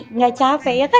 enggak capek ya kan ya